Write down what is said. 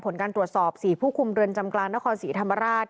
ผลการตรวจสอบ๔ผู้คุมเรือนจำกลางนครศรีธรรมราช